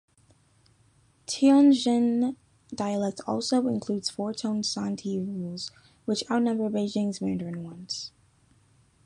Tianjin dialect also includes four tone sandhi rules, which outnumber Beijing Mandarin's ones.